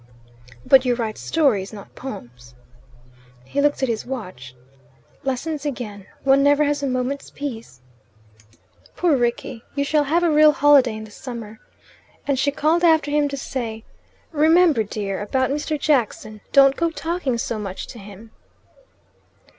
"But you write stories, not poems." He looked at his watch. "Lessons again. One never has a moment's peace." "Poor Rickie. You shall have a real holiday in the summer." And she called after him to say, "Remember, dear, about Mr. Jackson. Don't go talking so much to him."